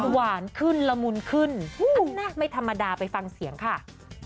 หวานขึ้นละมุนขึ้นไม่ธรรมดาไปฟังเสียงค่ะ